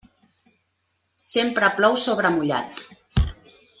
Sempre plou sobre mullat.